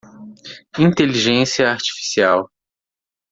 Inteligência Artificial.